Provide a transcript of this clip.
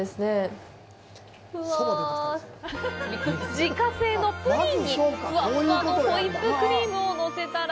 自家製のプリンにふわふわのホイップクリームをのせたら。